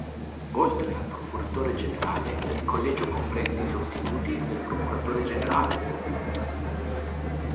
Oltre al procuratore generale, il collegio comprende i sostituti del procuratore generale.